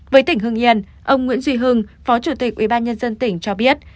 với tỉnh hưng yên ông nguyễn duy hưng phó chủ tịch ubnd tỉnh cho biết